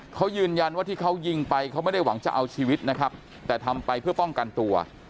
เขายืนยันว่าที่เขายิงไปเขาไม่ได้หวังจะเอาชีวิตนะครับแต่ทำไปเพื่อป้องกันตัว